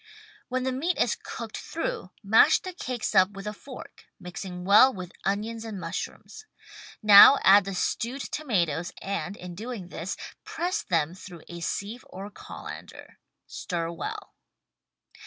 When the meat is cooked through mash the cakes up with a fork — mixing well with onions and mushrooms. Now add the stewed tomatoes and, in doing this, press them through a sieve or colander. Stir well.